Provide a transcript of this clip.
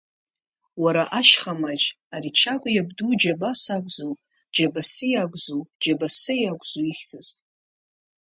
Уара, Ашьха маџь, ари Чагә иабду Џьабас акәзу, Џьабасиа акәзу, Џьабасеи акәзу ихьӡыз?